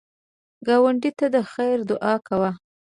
ګاونډي ته د خیر دعا کوه